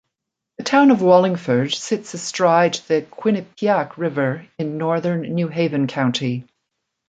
The town of Wallingford sits astride the Quinnipiac River in northern New Haven County.